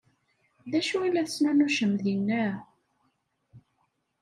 D acu i la tesnunucem dinna?